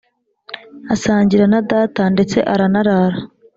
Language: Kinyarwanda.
asangira na data ndetse aranarara